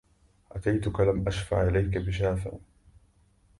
أتيتك لم أشفع إليك بشافع